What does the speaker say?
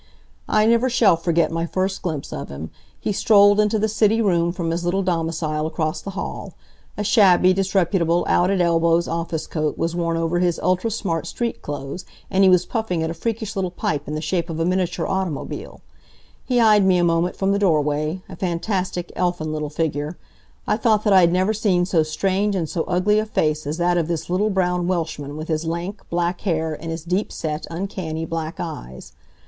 I never shall forget my first glimpse of him. He strolled into the city room from his little domicile across the hall. A shabby, disreputable, out at elbows office coat was worn over his ultra smart street clothes, and he was puffing at a freakish little pipe in the shape of a miniature automobile. He eyed me a moment from the doorway, a fantastic, elfin little figure. I thought that I had never seen so strange and so ugly a face as that of this little brown Welshman with his lank, black hair and his deep set, uncanny black eyes.